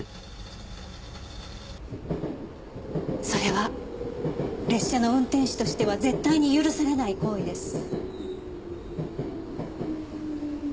それは列車の運転士としては絶対に許されない行為です。